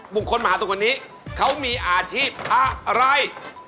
บุงค้นมาหาตัวคนนี้เขามีอาชีพอะไร